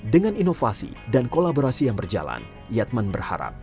dengan inovasi dan kolaborasi yang berjalan yatman berharap